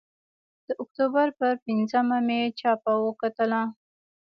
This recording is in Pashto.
د اکتوبر پر پینځمه مې چاپه وکتلې.